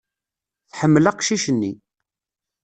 Tḥemmel aqcic-nni.